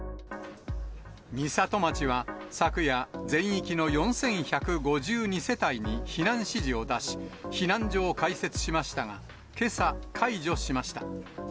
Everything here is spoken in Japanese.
美里町は昨夜、全域の４１５２世帯に避難指示を出し、避難所を開設しましたが、けさ、解除しました。